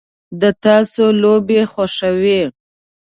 د تاسو لوبې خوښوئ؟